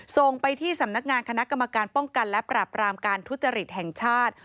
ส่งไปที่สำนักงานคณะกรรมการป้องกันและปราบรามการทุจริตแห่งชาติ